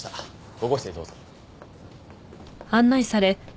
５号室へどうぞ。